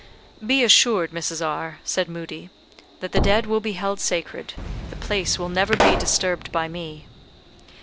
"Be assured, Mrs. R ," said Moodie, "that the dead will be held sacred; the place will never be disturbed by me."